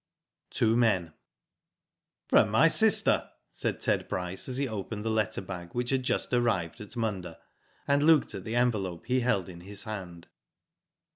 TWO MEN. " From my sister," said Ted Bryce, as he opened the letter bag which had just arrived at Munda, and looked at the envelope he held in his hand.